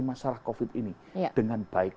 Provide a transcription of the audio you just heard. masalah covid ini dengan baik